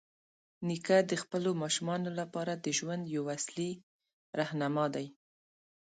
نیکه د خپلو ماشومانو لپاره د ژوند یوه اصلي راهنما دی.